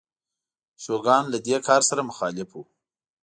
شوګان له دې کار سره مخالف و.